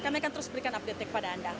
kami akan terus berikan update nya kepada anda